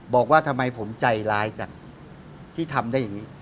บอกว่าทำไมผมใจร้ายจังที่ทำได้อย่างนี้